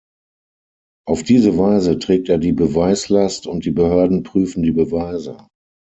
Auf diese Weise trägt er die Beweislast und die Behörden prüfen die Beweise.